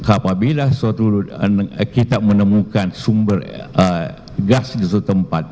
apabila kita menemukan sumber gas di setempat